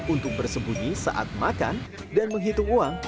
untuk bersembunyi saat makan dan menghitung uang